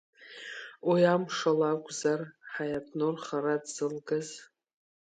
Уи амшала акәзар Ҳаиатнур хара дзылгаз?